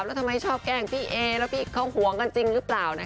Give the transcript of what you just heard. แล้วทำไมชอบแกล้งพี่เอแล้วพี่เขาห่วงกันจริงหรือเปล่า